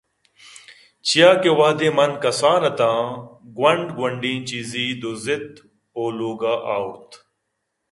چیاکہ وہدے من کسان اِتاں ءُ گوٛنڈ گوٛنڈیں چیزے دزّاِت ءُ لوگ ءَ آئورت